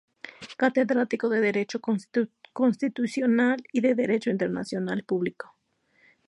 Catedrático de Derecho Constitucional y de Derecho Internacional Público.